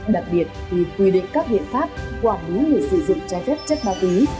đặc biệt khi quy định các biện pháp quản lý người sử dụng trái phép chất ma túy